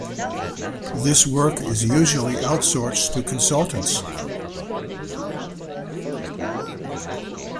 This work is usually outsourced to consultants.